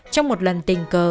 trong một lần tình cờ